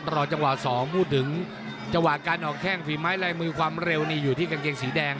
รอจังหวะ๒พูดถึงจังหวะการออกแข้งฝีไม้ลายมือความเร็วนี่อยู่ที่กางเกงสีแดง